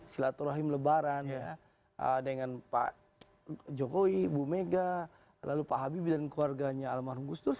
silaturahim lebaran ya dengan pak jokowi bumega lalu pak habib dan keluarganya almarhum gus terus